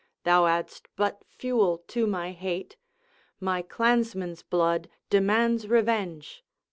Thou add'st but fuel to my hate; My clansman's blood demands revenge.